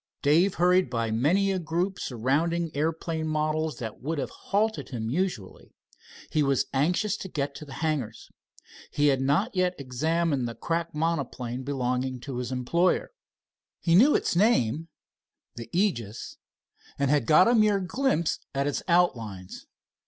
Dave hurried by many a group surrounding aeroplane models that would have halted him usually. He was anxious to get to the hangars. He had not yet examined the crack monoplane belonging to his employer. He knew its name, the Aegis, and had got a mere glimpse at its outlines.